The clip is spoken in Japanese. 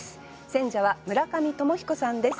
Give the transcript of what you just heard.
選者は村上鞆彦さんです。